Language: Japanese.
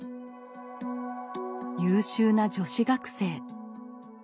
優秀な女子学生。